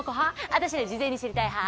私は事前に知りたい派！